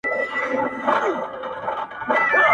هم په چرت كي د بيزو او هم د ځان وو٫